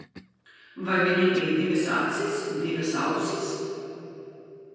Vai viņam bija divas acis, divas ausis?